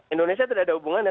indonesia tidak ada hubungannya